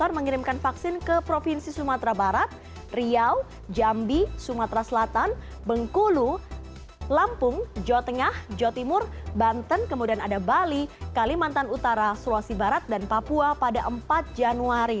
mengirimkan vaksin ke provinsi sumatera barat riau jambi sumatera selatan bengkulu lampung jawa tengah jawa timur banten kemudian ada bali kalimantan utara sulawesi barat dan papua pada empat januari